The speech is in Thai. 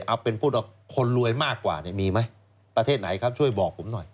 เอาเป็นพูดว่าคนรวยมากกว่าเนี่ยมีไหมประเทศไหนครับช่วยบอกผมหน่อย